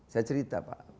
saya cerita pak